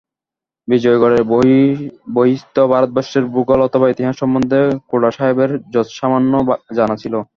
বিজয়গড়ের বহিঃস্থিত ভারতবর্ষের ভূগোল অথবা ইতিহাস সম্বন্ধে খুড়াসাহেবের যৎসামান্য জানা ছিল।